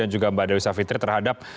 dan juga mbak dewisa fitri terhadap